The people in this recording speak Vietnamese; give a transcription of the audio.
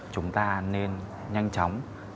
chúng ta nên nhanh chóng